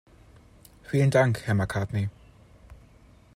Vielen Dank, Herr Macartney.